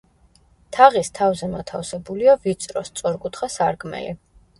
თაღის თავზე მოთავსებულია ვიწრო, სწორკუთხა სარკმელი.